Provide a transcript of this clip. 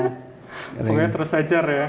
pokoknya terus ajar ya